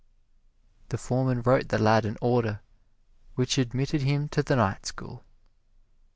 The foreman wrote the lad an order which admitted him to the night school.